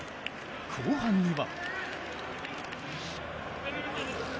後半には。